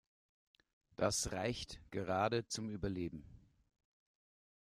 Das reicht gerade zum Überleben.